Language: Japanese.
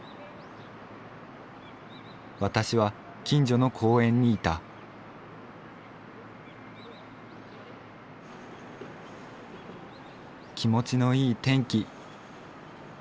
私は近所の公園にいた気持ちのいい天気。